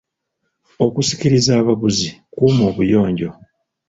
Okusikiriza abaguzi, kuuma obuyonjo.